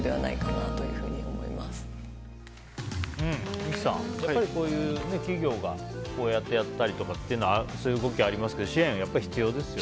三木さん、企業がこうやってやったりとかというそういう動きはありますけど支援は必要ですよね。